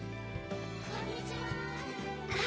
こんにちは。